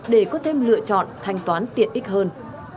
để có thêm lựa chọn thanh toán tiện ích hơn